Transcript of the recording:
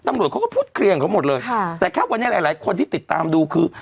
ตำรวจเขาก็พูดเคลียร์ของเขาหมดเลยค่ะแต่แค่วันนี้หลายหลายคนที่ติดตามดูคือ